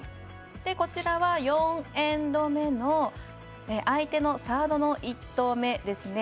こちらは４エンド目の相手のサードの１投目です。